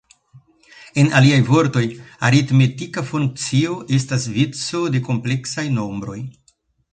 En alia vortoj, aritmetika funkcio estas vico de kompleksaj nombroj.